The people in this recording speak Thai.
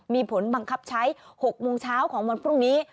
มีผลบังคับใช้๖โมงเช้าของวันพรุ่งนี้